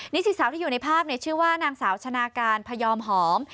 สิสาวที่อยู่ในภาพชื่อว่านางสาวชนะการพยอมหอม